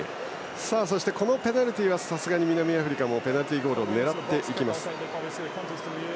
そしてこのペナルティーはさすがに南アフリカもペナルティーゴールを狙っていきます。